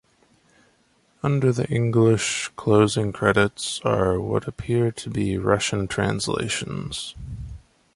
Under the English closing credits are what appear to be Russian translations.